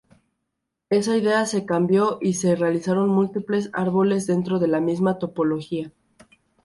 Esa idea se cambió y se realizaron múltiples árboles dentro de la misma topología.